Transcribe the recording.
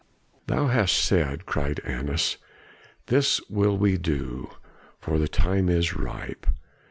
"Thou hast said!" cried Annas. "This will we do, for the time is ripe.